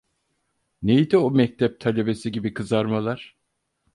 Neydi o mektep talebesi gibi kızarmalar.